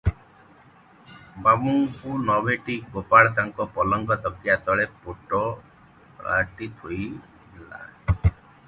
ବାବୁଙ୍କୁ ନ ଭେଟି ଗୋପାଳ ତାଙ୍କ ପଲଙ୍କ ତକିଆ ତଳେ ପୋଟଳାଟି ଥୋଇ ଦେଲା ।